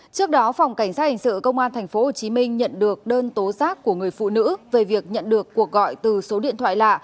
trước đó phòng cảnh sát hình sự công an tp hcm nhận được đơn tố giác của người phụ nữ về việc nhận được cuộc gọi từ số điện thoại lạ